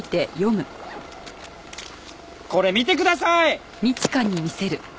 これ見てください！